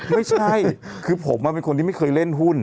ไม่ใช่คือผมเป็นคนที่ไม่เคยเล่นหุ้น